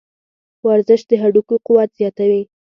ورزش د هډوکو قوت زیاتوي.